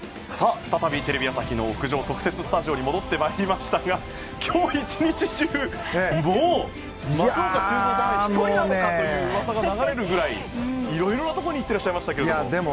再びテレビ朝日の屋上特設スタジオに戻ってまいりましたが今日１日中松岡修造さんは１人なのかという噂が流れるぐらいいろいろなところに行ってらっしゃいましたけども。